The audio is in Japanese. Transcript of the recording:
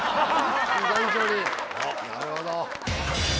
なるほど。